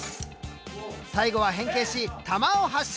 最後は変形し弾を発射！